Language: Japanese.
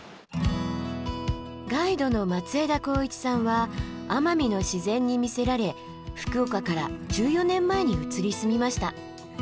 ガイドの松枝孝一さんは奄美の自然に魅せられ福岡から１４年前に移り住みました。